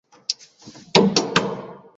বন্ধু, ব্রোনউইন যে একটা কুমড়া সেটা জানো, তাই না?